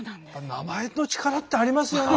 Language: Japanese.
名前の力ってありますよね。